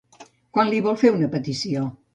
Quan li vol fer una petició?